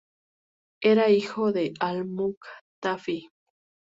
Era hijo de al-Muktafi.